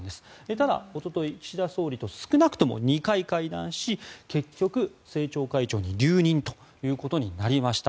ただ、おととい、岸田総理と少なくとも２回会談し結局、政調会長に留任ということになりました。